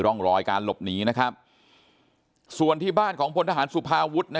ร่องรอยการหลบหนีนะครับส่วนที่บ้านของพลทหารสุภาวุฒิ